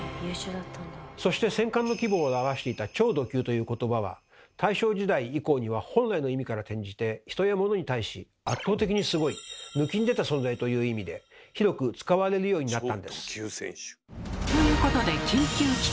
そして戦艦の規模を表していた「超弩級」ということばは大正時代以降には本来の意味から転じて人や物に対し「圧倒的にすごい」「ぬきんでた存在」という意味で広く使われるようになったんです。